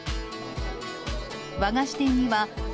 和菓子店には。